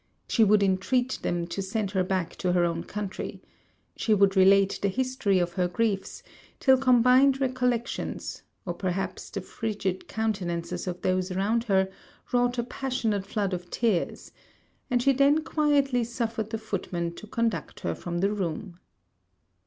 She would intreat them to send her back to her own country. She would relate the history of her griefs, till combined recollections, or perhaps the frigid countenances of those around her, wrought a passionate flood of tears; and she then quietly suffered the footman to conduct her from the room.